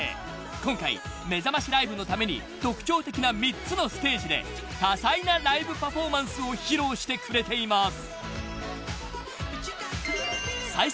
［今回めざましライブのために特徴的な３つのステージで多彩なライブパフォーマンスを披露してくれています］